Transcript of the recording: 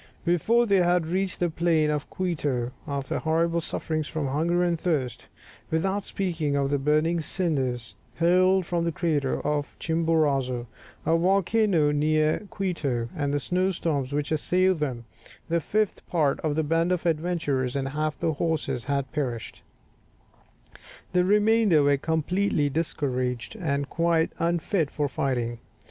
Before they had reached the plain of Quito, after horrible sufferings from hunger and thirst, without speaking of the burning cinders hurled from the crater of Chimborazo, a volcano near Quito, and the snow storms which assailed them, the fifth part of the band of adventurers, and half the horses, had perished; the remainder were completely discouraged and quite unfit for fighting.